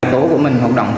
tổ của mình không đọng